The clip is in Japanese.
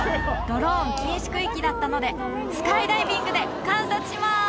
ドローン禁止区域だったのでスカイダイビングで観察します！